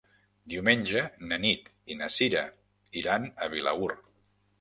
Diumenge na Nit i na Cira iran a Vilaür.